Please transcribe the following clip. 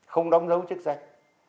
không đóng dấu chức danh